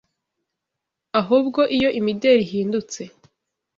ahubwo iyo imideri ihindutse